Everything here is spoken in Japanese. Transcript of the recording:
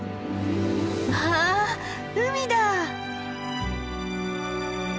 わあ海だ！